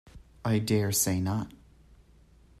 I dare say not.